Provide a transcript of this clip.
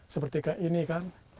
seperti kayak ini kan